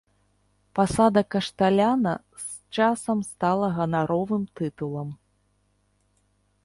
Пасада кашталяна з часам стала ганаровым тытулам.